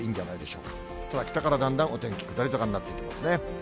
きょうは北からだんだんお天気、下り坂になっていきますね。